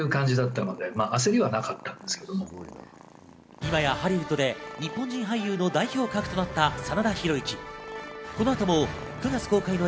今やハリウッドで日本人俳優の代表格となった真田広之。